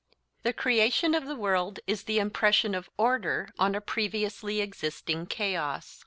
The creation of the world is the impression of order on a previously existing chaos.